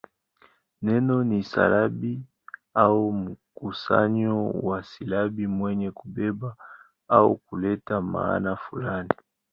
Neno ni silabi au mkusanyo wa silabi wenye kubeba au kuleta maana fulani.